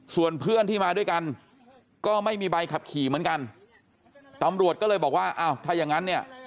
ส่วนเพื่อนที่มาด้วยกันก็ไม่มีใบขับขี่เหมือนกันตำรวจก็เลยบอกว่าอ้าวถ้าอย่างงั้นเนี่ย